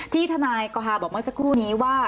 ที่ทนายก่อฮาบอกมาสักครู่นี้ว่า